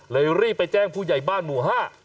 รีบไปแจ้งผู้ใหญ่บ้านหมู่ห้า